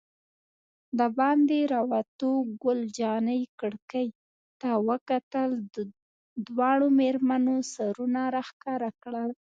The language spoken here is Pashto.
دباندې راووتو، ګل جانې کړکۍ ته وکتل، دواړو مېرمنو سرونه را ښکاره کړل.